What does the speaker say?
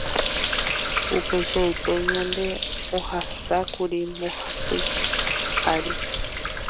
Upeichaite ndaje ohasákuri mbohapy ary.